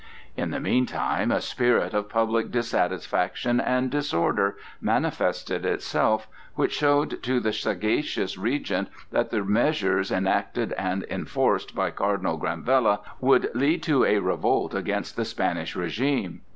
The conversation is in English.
In the meantime a spirit of public dissatisfaction and disorder manifested itself which showed to the sagacious Regent that the measures enacted and enforced by Cardinal Granvella would lead to a revolt against the Spanish régime.